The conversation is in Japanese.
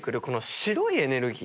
白いエネルギー？